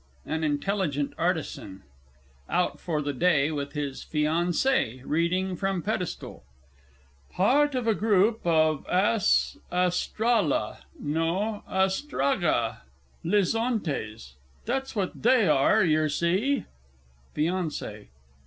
AN INTELLIGENT ARTISAN (out for the day with his FIANCÉE reading from pedestal). "Part of a group of As Astrala no, Astraga lizontes" that's what they are, yer see. FIANCÉE.